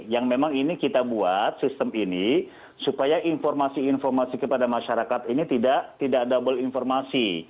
yang memang ini kita buat sistem ini supaya informasi informasi kepada masyarakat ini tidak double informasi